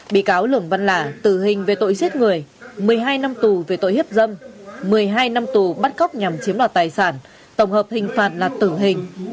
bị cáo lường văn lả tử hình về tội giết người một mươi hai năm tù về tội hiếp dâm một mươi hai năm tù bắt cóc nhằm chiếm đoạt tài sản tổng hợp hình phạt là tử hình